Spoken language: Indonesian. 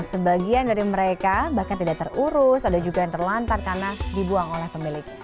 sebagian dari mereka bahkan tidak terurus ada juga yang terlantar karena dibuang oleh pemilik